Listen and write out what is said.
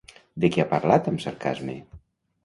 De què ha parlat amb sarcasme?